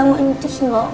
kakak gak mau cus gak